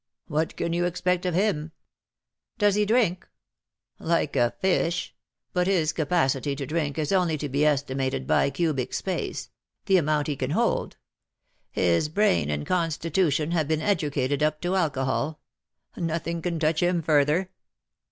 What can you expect of him ?"'' Does he drink V '' Like a fish — but his capacity to drink is only to be estimated by cubic space — the amount he can hold. His brain and constitution have been educated up to alcohol. Nothing can touch him further."